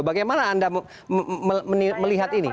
bagaimana anda melihat ini